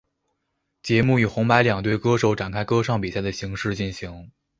节目以红白两队歌手展开歌唱比赛的形式进行。